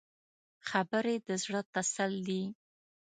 خبرې د زړه تسل دي